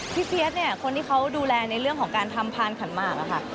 เซียสเนี่ยคนที่เขาดูแลในเรื่องของการทำพานขันหมากอะค่ะ